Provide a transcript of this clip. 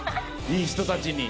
いい人たちに。